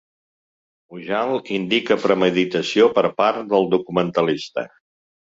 Mujal indica premeditació per part del documentalista.